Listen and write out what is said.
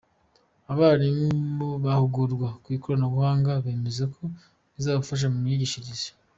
Abarimu bahugurwa ku ikoranabuhanga bemeza ko rizabafasha mu myigishirize.